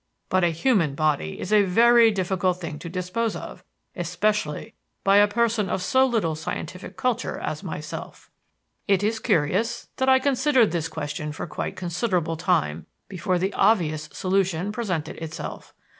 But a human body is a very difficult thing to dispose of, especially by a person of so little scientific culture as myself. "It is curious that I considered this question for a quite considerable time before the obvious solution presented itself.